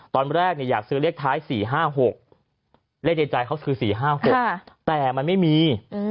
ตอนแรกอยากซื้อเลขท้าย๔๕๖เลขในใจเขาคือ๔๕๖แต่มันไม่มี